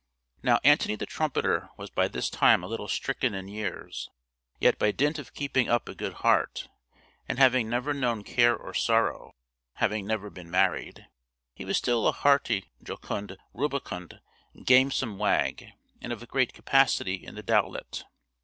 Now Antony the Trumpeter was by this time a little stricken in years, yet by dint of keeping up a good heart, and having never known care or sorrow (having never been married), he was still a hearty, jocund, rubicund, gamesome wag, and of great capacity in the doublet.